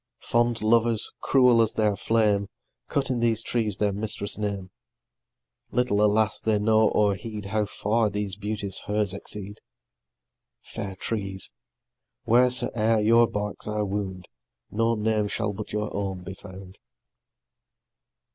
Fond lovers, cruel as their flame, Cut in these trees their mistress' name; Little, alas, they know or heed How far these beauties hers exceed! Fair trees! wheres'e'er your barks I wound, No name shall but your own be found.